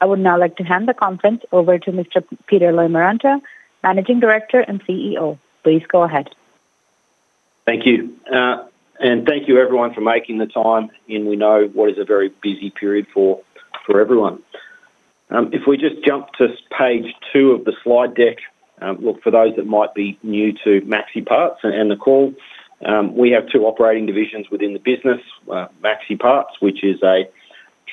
I would now like to hand the conference over to Mr. Peter Loimaranta, Managing Director and CEO. Please go ahead. Thank you. And thank you everyone for making the time, as we know what is a very busy period for everyone. If we just jump to page two of the slide deck, look, for those that might be new to MaxiPARTS and the call, we have two operating divisions within the business: MaxiPARTS, which is a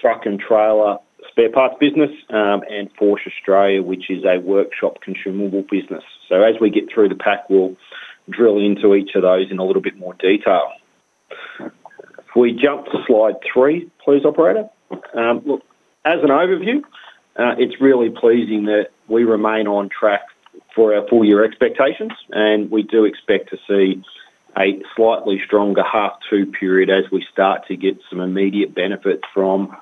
truck and trailer spare parts business, and Förch Australia, which is a workshop consumable business. So as we get through the pack, we'll drill into each of those in a little bit more detail. If we jump to slide three, please, operator. Look, as an overview, it's really pleasing that we remain on track for our full year expectations, and we do expect to see a slightly stronger half two period as we start to get some immediate benefits from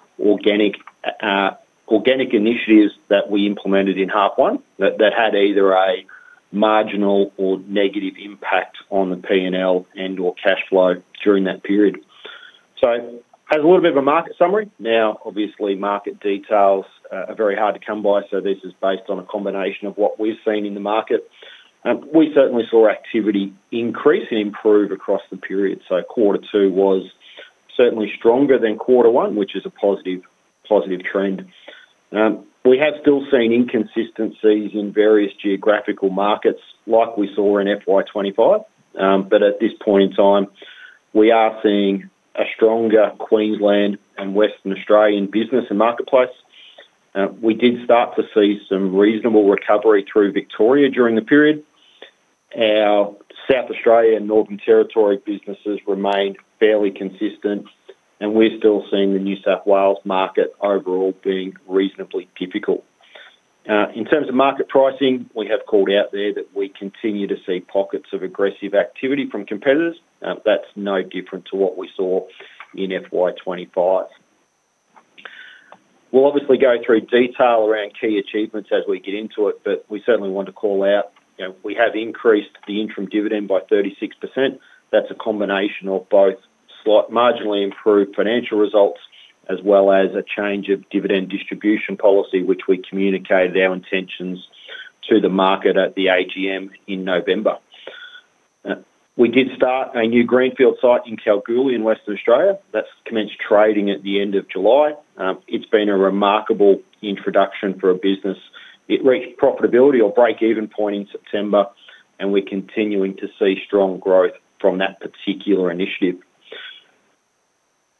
organic initiatives that we implemented in half one, that had either a marginal or negative impact on the P&L and/or cash flow during that period. So as a little bit of a market summary, now, obviously, market details are very hard to come by, so this is based on a combination of what we've seen in the market. We certainly saw activity increase and improve across the period, so Q2 was certainly stronger than Q1, which is a positive, positive trend. We have still seen inconsistencies in various geographical markets like we saw in FY 2025. But at this point in time, we are seeing a stronger Queensland and Western Australian business and marketplace. We did start to see some reasonable recovery through Victoria during the period. Our South Australia and Northern Territory businesses remained fairly consistent, and we're still seeing the New South Wales market overall being reasonably difficult. In terms of market pricing, we have called out there that we continue to see pockets of aggressive activity from competitors. That's no different to what we saw in FY 25. We'll obviously go through detail around key achievements as we get into it, but we certainly want to call out, you know, we have increased the interim dividend by 36%. That's a combination of both slight marginally improved financial results, as well as a change of dividend distribution policy, which we communicated our intentions to the market at the AGM in November. We did start a new greenfield site in Kalgoorlie, in Western Australia. That's commenced trading at the end of July. It's been a remarkable introduction for a business. It reached profitability or break-even point in September, and we're continuing to see strong growth from that particular initiative.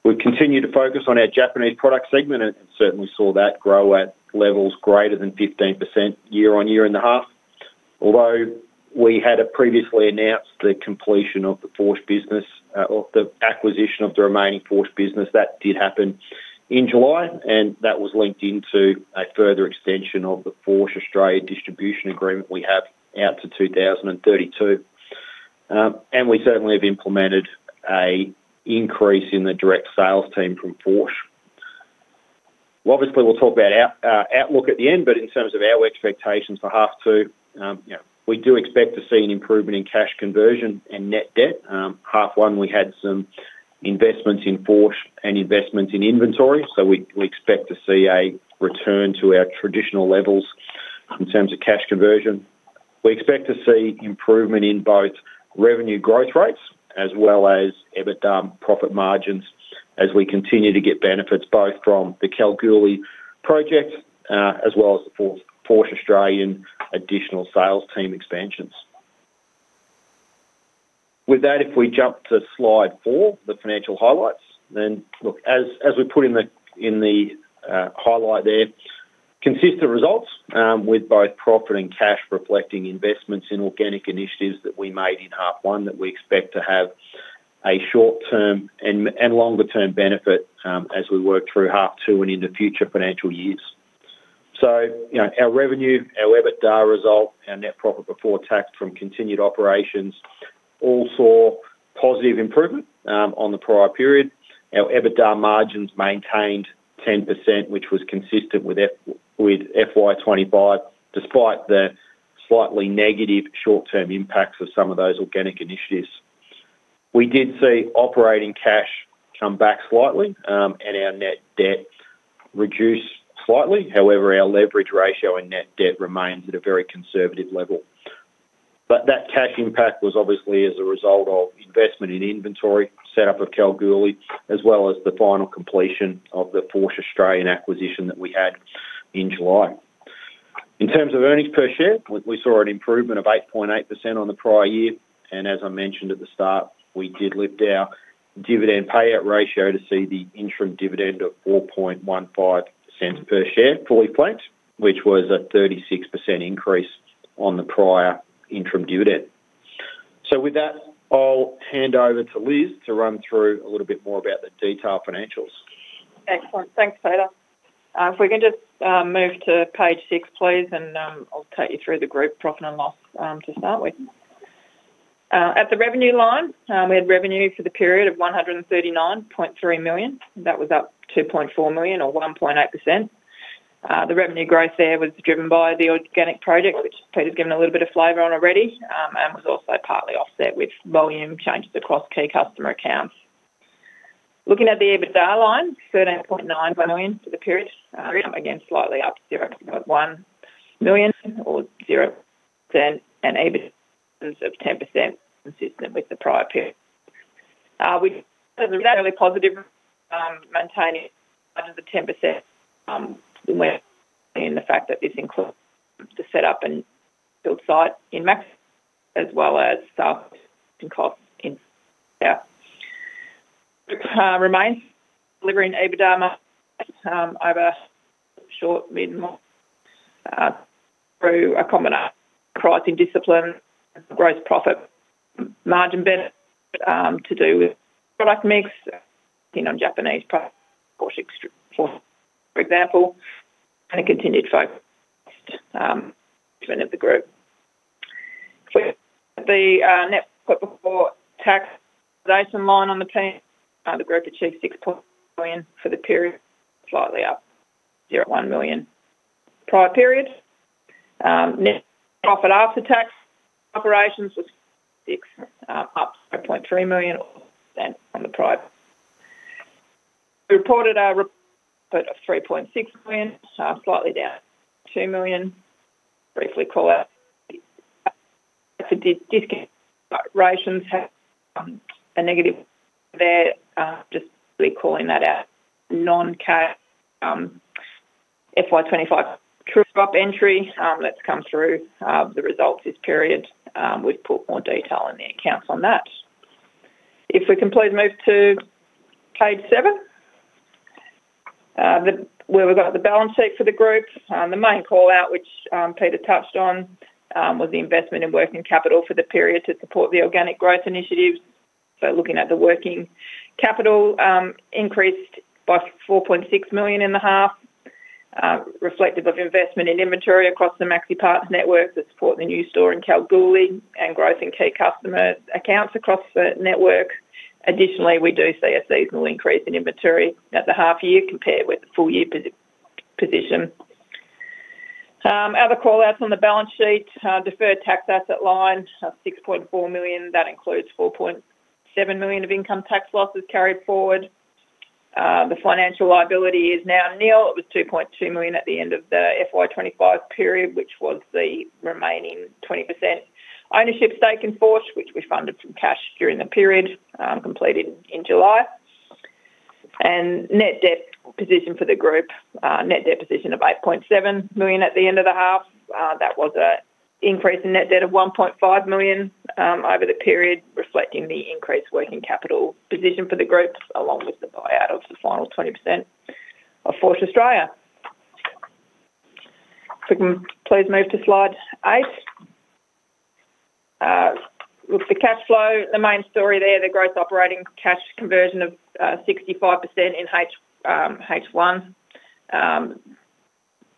We've continued to focus on our Japanese product segment, and certainly saw that grow at levels greater than 15% year-on-year in the half. Although we had previously announced the completion of the Förch business, or the acquisition of the remaining Förch business, that did happen in July, and that was linked into a further extension of the Förch Australia distribution agreement we have out to 2032. And we certainly have implemented an increase in the direct sales team from Förch. Well, obviously, we'll talk about our outlook at the end, but in terms of our expectations for half two, you know, we do expect to see an improvement in cash conversion and Net Debt. Half one, we had some investments in Förch and investments in inventory, so we expect to see a return to our traditional levels in terms of cash conversion. We expect to see improvement in both revenue growth rates as well as EBITDA profit margins as we continue to get benefits, both from the Kalgoorlie project, as well as the Förch Australia additional sales team expansions. With that, if we jump to slide four, the financial highlights, then look, as we put in the highlight there, consistent results, with both profit and cash reflecting investments in organic initiatives that we made in half one, that we expect to have a short term and longer term benefit, as we work through half two and into future financial years. So, you know, our revenue, our EBITDA result, our net profit before tax from continued operations all saw positive improvement, on the prior period. Our EBITDA margins maintained 10%, which was consistent with FY 2025, despite the slightly negative short-term impacts of some of those organic initiatives. We did see operating cash come back slightly, and our Net Debt reduce slightly. However, our leverage ratio and Net Debt remains at a very conservative level. But that cash impact was obviously as a result of investment in inventory, setup of Kalgoorlie, as well as the final completion of the Förch Australia acquisition that we had in July. In terms of earnings per share, we, we saw an improvement of 8.8% on the prior year, and as I mentioned at the start, we did lift our dividend payout ratio to see the interim dividend of 0.0415 per share, fully franked, which was a 36% increase on the prior interim dividend. With that, I'll hand over to Liz to run through a little bit more about the detailed financials. Excellent. Thanks, Peter. If we can just move to page six, please, and I'll take you through the group profit and loss to start with. At the revenue line, we had revenue for the period of 139.3 million. That was up 2.4 million, or 1.8%. The revenue growth there was driven by the organic project, which Peter's given a little bit of flavor on already, and was also partly offset with volume changes across key customer accounts. Looking at the EBITDA line, 13.9 million for the period. Again, slightly up 0.1 million or 0%, and EBIT of 10% consistent with the prior period. We've a really positive maintaining under the 10%, given the fact that this includes the setup and build site in Maxi as well as staff and costs. Remains delivering EBITDA over short, mid, and more through a combination pricing discipline, gross profit margin benefit to do with product mix, you know, Japanese product, for example, and a continued focus of the group. The net profit before tax line on the team the group achieved 6 million for the period, slightly up 0.1 million prior periods. Net profit after tax operations was six, up 0.3 million on the prior. We reported a loss of 3.6 million, slightly down 2 million. Briefly call out the discontinuations have a negative there, just calling that out. Non-cash, FY 2025 CapEx entry, that's come through the results this period. We've put more detail in the accounts on that. If we could move to page seven, where we've got the balance sheet for the group. The main call-out, which Peter touched on, was the investment in working capital for the period to support the organic growth initiatives. So looking at the working capital, increased by 4.6 million in the half, reflective of investment in inventory across the MaxiPARTS network to support the new store in Kalgoorlie and growth in key customer accounts across the network. Additionally, we do see a seasonal increase in inventory at the half year compared with the full year position. Other call-outs on the balance sheet, deferred tax asset line, 6.4 million, that includes 4.7 million of income tax losses carried forward. The financial liability is now nil. It was 2.2 million at the end of the FY 2025 period, which was the remaining 20% ownership stake in Förch, which we funded from cash during the period, completed in July. Net debt position for the group, Net Debt position of 8.7 million at the end of the half. That was an increase in Net Debt of 1.5 million over the period, reflecting the increased working capital position for the group, along with the buyout of the final 20% of Förch Australia. If we can please move to slide eight. With the cash flow, the main story there, the growth operating cash conversion of 65% in H1,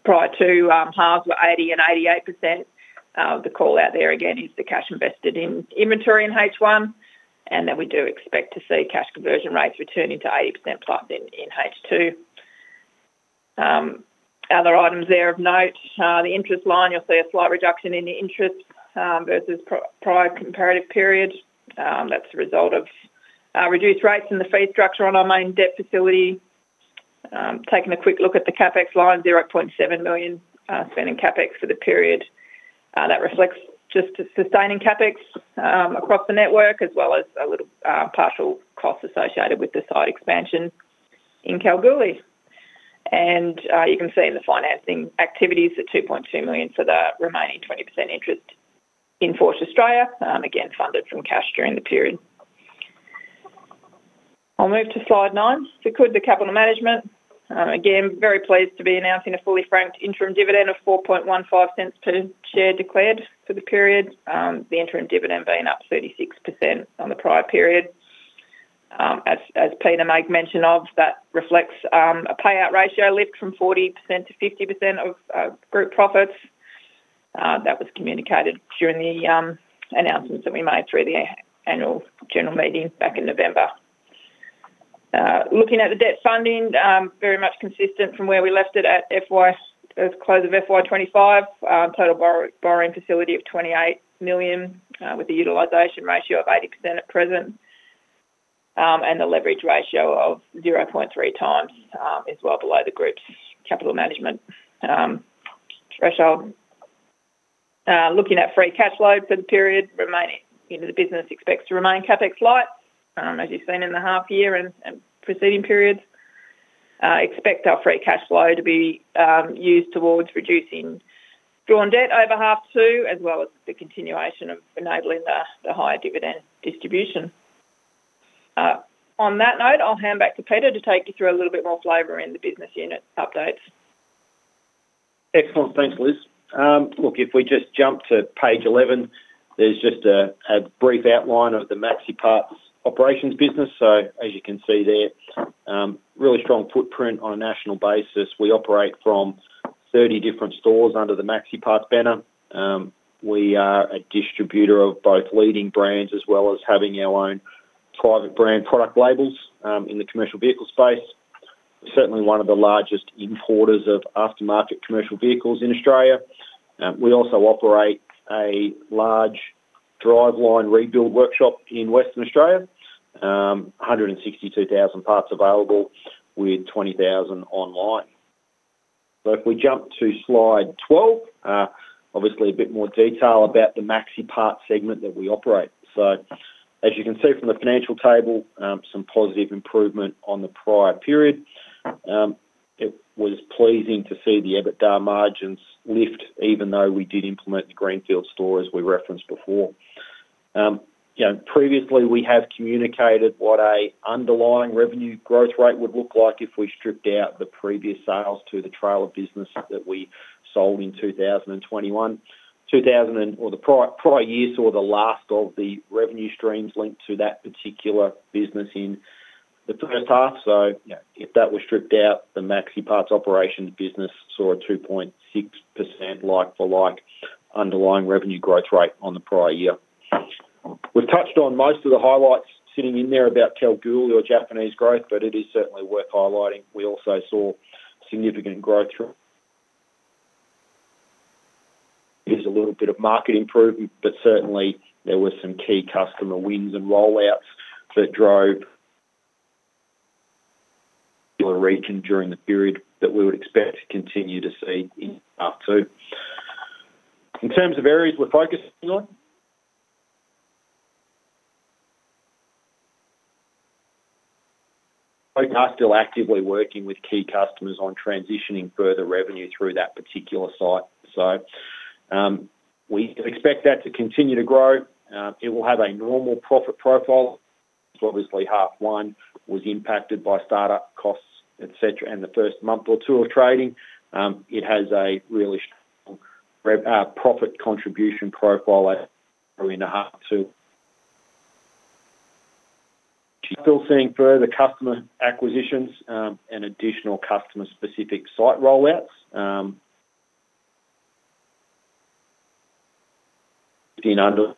prior halves were 80% and 88%. The call out there again is the cash invested in inventory in H1, and then we do expect to see cash conversion rates returning to 80% plus in H2. Other items there of note, the interest line, you'll see a slight reduction in the interest versus prior comparative period. That's a result of reduced rates in the fee structure on our main debt facility. Taking a quick look at the CapEx line, 0.7 million spending CapEx for the period. That reflects just sustaining CapEx across the network, as well as a little partial cost associated with the site expansion in Kalgoorlie. And you can see the financing activities at 2.2 million for the remaining 20% interest in Förch Australia, again, funded from cash during the period. I'll move to slide nine. So, capital management. Again, very pleased to be announcing a fully franked interim dividend of 0.0415 per share declared for the period, the interim dividend being up 36% on the prior period. As Peter made mention of, that reflects a payout ratio lift from 40% to 50% of group profits. That was communicated during the announcements that we made through the annual general meeting back in November. Looking at the debt funding, very much consistent from where we left it at FY close of FY 2025. Total borrowing facility of 28 million, with the utilization ratio of 80% at present, and the leverage ratio of 0.3x, is well below the group's capital management threshold. Looking at free cash flow for the period remaining into the business expects to remain CapEx light, as you've seen in the half year and preceding periods. Expect our free cash flow to be used towards reducing drawn debt over half two, as well as the continuation of enabling the higher dividend distribution. On that note, I'll hand back to Peter to take you through a little bit more flavor in the business unit updates. Excellent. Thanks, Liz. Look, if we just jump to page 11, there's just a brief outline of the MaxiPARTS operations business. So as you can see there, really strong footprint on a national basis. We operate from 30 different stores under the MaxiPARTS banner. We are a distributor of both leading brands, as well as having our own private brand product labels, in the commercial vehicle space. Certainly one of the largest importers of aftermarket commercial vehicles in Australia. We also operate a large driveline rebuild workshop in Western Australia. 162,000 parts available, with 20,000 online. So if we jump to slide 12, obviously a bit more detail about the MaxiPARTS segment that we operate. So as you can see from the financial table, some positive improvement on the prior period. It was pleasing to see the EBITDA margins lift, even though we did implement the Greenfield store, as we referenced before. You know, previously, we have communicated what a underlying revenue growth rate would look like if we stripped out the previous sales to the trailer business that we sold in 2021. 2021 or the prior year saw the last of the revenue streams linked to that particular business in the first half. So, you know, if that were stripped out, the MaxiPARTS operations business saw a 2.6% like-for-like underlying revenue growth rate on the prior year. We've touched on most of the highlights sitting in there about Kalgoorlie or Japanese growth, but it is certainly worth highlighting. We also saw significant growth through. There's a little bit of market improvement, but certainly, there were some key customer wins and rollouts that drove the region during the period that we would expect to continue to see in half two. In terms of areas we're focusing on, we are still actively working with key customers on transitioning further revenue through that particular site. So, we expect that to continue to grow. It will have a normal profit profile. So obviously, half one was impacted by start-up costs, et cetera, and the first month or two of trading. It has a really strong rev, profit contribution profile as are in the half two. We're still seeing further customer acquisitions, and additional customer-specific site rollouts, in under...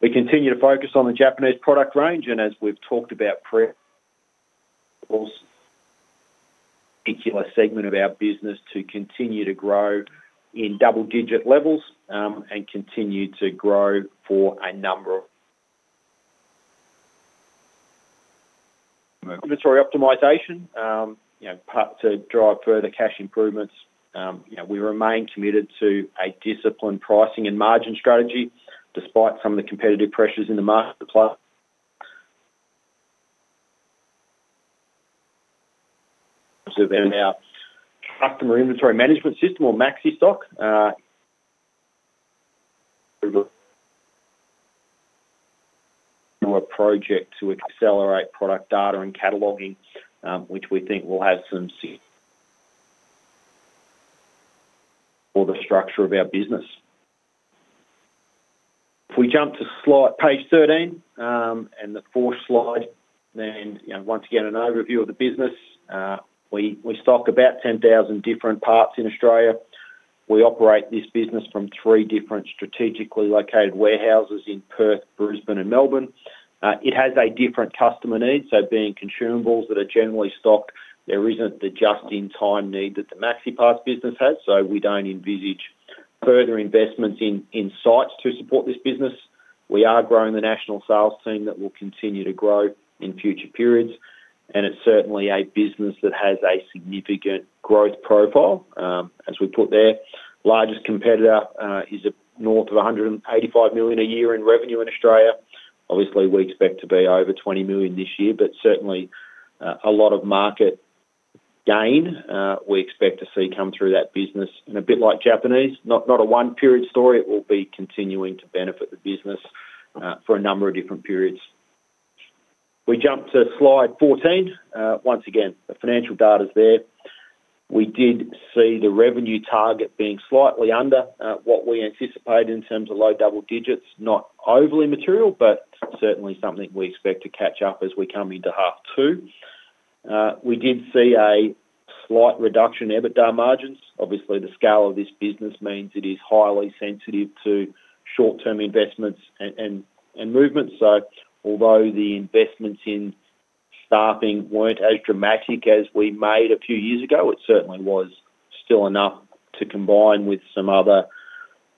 We continue to focus on the Japanese product range, and as we've talked about previously, particular segment of our business to continue to grow in double-digit levels, and continue to grow. Inventory optimization, you know, part to drive further cash improvements. You know, we remain committed to a disciplined pricing and margin strategy, despite some of the competitive pressures in the marketplace. So then our customer inventory management system or MaxiStock, through a project to accelerate product data and cataloging, which we think will have some significance for the structure of our business. If we jump to slide, page 13, and the fourth slide, then, you know, once again, an overview of the business. We stock about 10,000 different parts in Australia. We operate this business from three different strategically located warehouses in Perth, Brisbane, and Melbourne. It has a different customer need, so being consumables that are generally stocked, there isn't the just-in-time need that the MaxiPARTS business has, so we don't envisage further investments in sites to support this business. We are growing the national sales team that will continue to grow in future periods, and it's certainly a business that has a significant growth profile. As we put there, largest competitor is north of 185 million a year in revenue in Australia. Obviously, we expect to be over 20 million this year, but certainly a lot of market gain we expect to see come through that business. And a bit like Japanese, not a one-period story, it will be continuing to benefit the business for a number of different periods. We jump to slide 14. Once again, the financial data's there. We did see the revenue target being slightly under what we anticipated in terms of low double digits, not overly material, but certainly something we expect to catch up as we come into half two. We did see a slight reduction in EBITDA margins. Obviously, the scale of this business means it is highly sensitive to short-term investments and movements. So although the investments in staffing weren't as dramatic as we made a few years ago, it certainly was still enough to combine with some other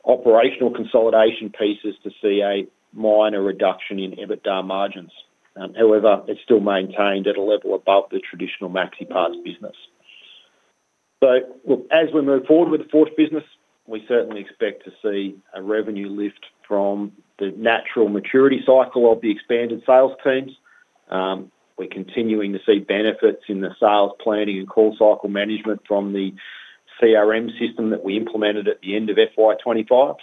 operational consolidation pieces to see a minor reduction in EBITDA margins. However, it's still maintained at a level above the traditional MaxiPARTS business. So look, as we move forward with the fourth business, we certainly expect to see a revenue lift from the natural maturity cycle of the expanded sales teams. We're continuing to see benefits in the sales, planning, and call cycle management from the CRM system that we implemented at the end of FY 2025.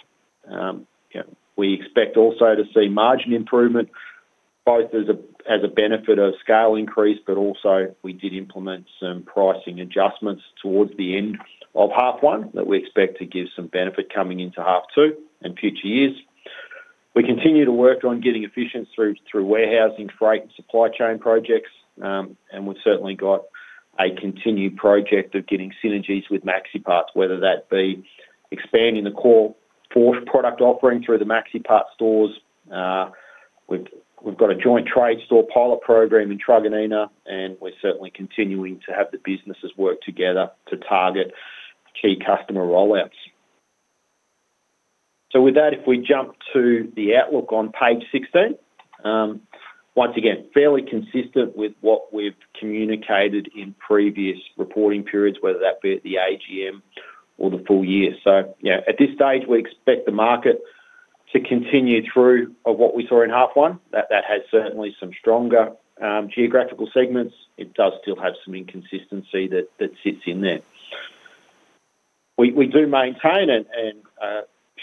You know, we expect also to see margin improvement, both as a, as a benefit of scale increase, but also we did implement some pricing adjustments towards the end of H1, that we expect to give some benefit coming into H2 and future years. We continue to work on getting efficient through, through warehousing, freight, and supply chain projects. And we've certainly got a continued project of getting synergies with MaxiPARTS, whether that be expanding the core Förch product offering through the MaxiPARTS stores. We've got a joint trade store pilot program in Truganina, and we're certainly continuing to have the businesses work together to target key customer rollouts. So with that, if we jump to the outlook on page 16, once again, fairly consistent with what we've communicated in previous reporting periods, whether that be at the AGM or the full year. So, you know, at this stage, we expect the market to continue through of what we saw in half one, that has certainly some stronger geographical segments. It does still have some inconsistency that sits in there. We do maintain and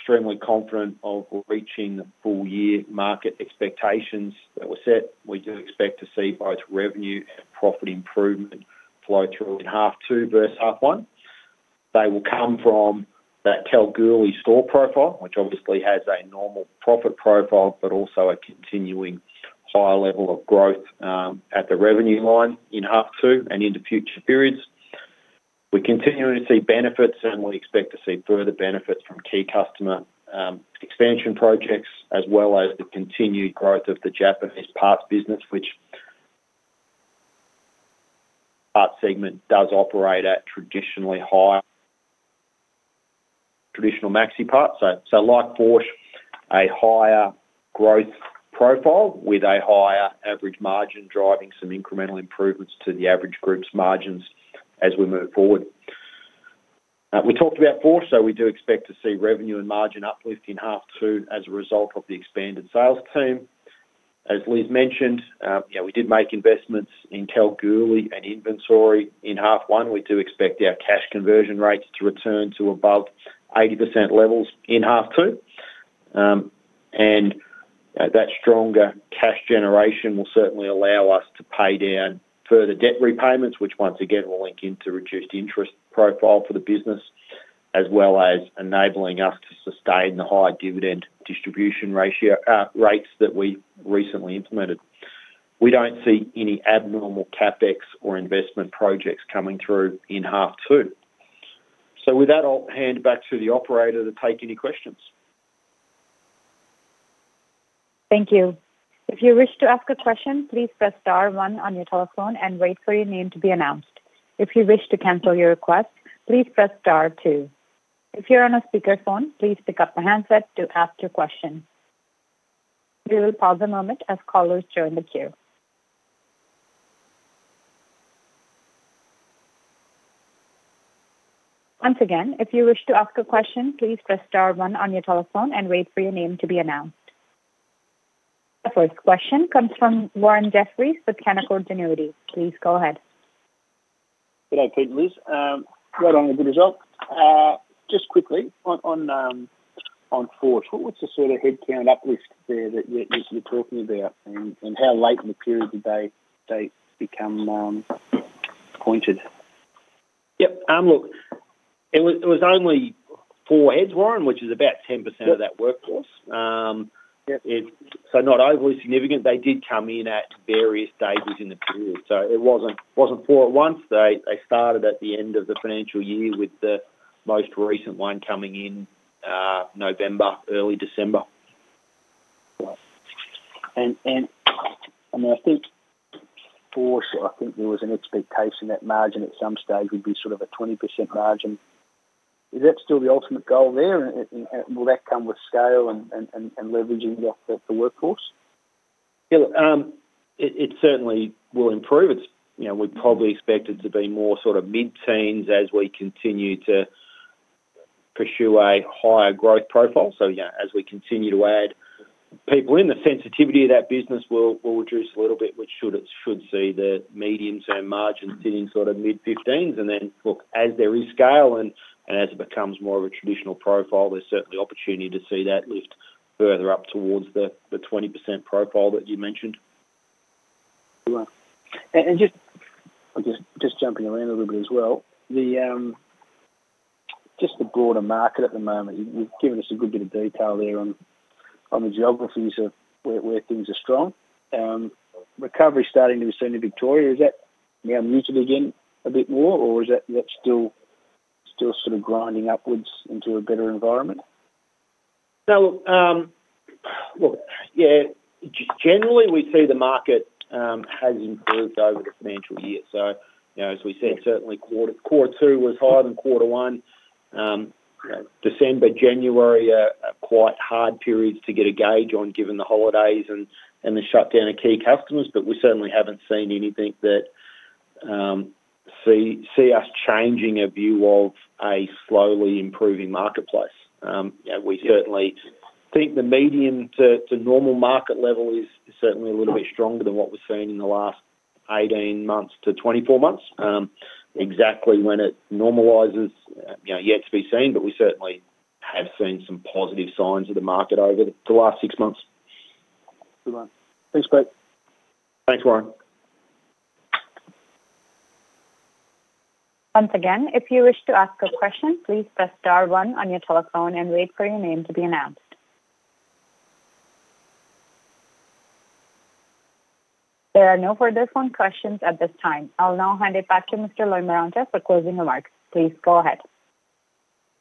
extremely confident of reaching the full-year market expectations that were set. We do expect to see both revenue and profit improvement flow through in half two versus half one. They will come from that Kalgoorlie store profile, which obviously has a normal profit profile, but also a continuing higher level of growth at the revenue line in half two and into future periods. We're continuing to see benefits, and we expect to see further benefits from key customer expansion projects, as well as the continued growth of the Japanese parts business, which part segment does operate at traditionally higher traditional MaxiPARTS. So, so like Förch, a higher growth profile with a higher average margin, driving some incremental improvements to the average group's margins as we move forward. We talked about Förch, so we do expect to see revenue and margin uplift in half two as a result of the expanded sales team. As Liz mentioned, you know, we did make investments in Kalgoorlie and inventory in half one. We do expect our cash conversion rates to return to above 80% levels in half two. That stronger cash generation will certainly allow us to pay down further debt repayments, which once again will link into reduced interest profile for the business, as well as enabling us to sustain the high dividend distribution ratio, rates that we recently implemented. We don't see any abnormal CapEx or investment projects coming through in half two. With that, I'll hand back to the operator to take any questions. Thank you. If you wish to ask a question, please press star one on your telephone and wait for your name to be announced. If you wish to cancel your request, please press star two. If you're on a speakerphone, please pick up the handset to ask your question. We will pause a moment as callers join the queue. Once again, if you wish to ask a question, please press star one on your telephone and wait for your name to be announced. The first question comes from Warren Jeffries with Canaccord Genuity. Please go ahead. G'day, Pete and Liz. Right on with the result. Just quickly, on Förch, what's the sort of headcount uplift there that you're talking about, and how late in the period did they become appointed? Yep. Look, it was only four heads, Warren, which is about 10% of that workforce. Yep. Not overly significant. They did come in at various stages in the period, so it wasn't four at once. They started at the end of the financial year, with the most recent one coming in, November, early December. Right. And I mean, I think Förch, I think there was an expectation that margin at some stage would be sort of a 20% margin. Is that still the ultimate goal there? And will that come with scale and leveraging the workforce? Yeah, it certainly will improve. It's, you know, we'd probably expect it to be more sort of mid-teens% as we continue to pursue a higher growth profile. So, you know, as we continue to add people in, the sensitivity of that business will reduce a little bit, which should see the medium-term margins sitting sort of mid-15%s. And then, look, as there is scale and as it becomes more of a traditional profile, there's certainly opportunity to see that lift further up towards the 20% profile that you mentioned. Right. And just jumping around a little bit as well, just the broader market at the moment, you've given us a good bit of detail there on the geographies of where things are strong. Recovery starting to be seen in Victoria, is that now muted again a bit more, or is that still sort of grinding upwards into a better environment? So, look, yeah, generally, we see the market has improved over the financial year. So, you know, as we said, certainly Q2 was higher than Q1. December, January are quite hard periods to get a gauge on, given the holidays and the shutdown of key customers, but we certainly haven't seen anything that sees us changing our view of a slowly improving marketplace. Yeah, we certainly think the medium to normal market level is certainly a little bit stronger than what we've seen in the last 18 months to 24 months. Exactly when it normalizes, you know, yet to be seen, but we certainly have seen some positive signs of the market over the last six months. Good one. Thanks, Pete. Thanks, Warren. Once again, if you wish to ask a question, please press star one on your telephone and wait for your name to be announced. There are no further phone questions at this time. I'll now hand it back to Mr. Loimaranta for closing remarks. Please go ahead.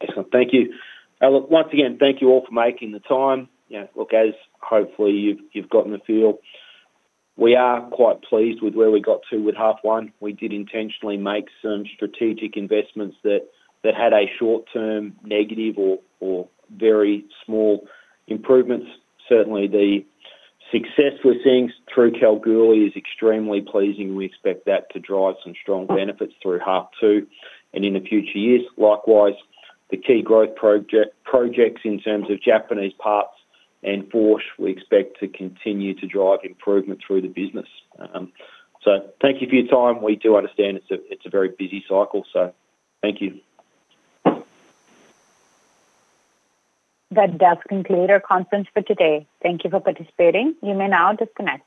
Excellent. Thank you. Look, once again, thank you all for making the time. Yeah, look, as hopefully you've gotten a feel, we are quite pleased with where we got to with half one. We did intentionally make some strategic investments that had a short-term negative or very small improvements. Certainly, the success we're seeing through Kalgoorlie is extremely pleasing. We expect that to drive some strong benefits through half two and in the future years. Likewise, the key growth project, projects in terms of Japanese parts and Förch, we expect to continue to drive improvement through the business. So thank you for your time. We do understand it's a very busy cycle, so thank you. That does conclude our conference for today. Thank you for participating. You may now disconnect.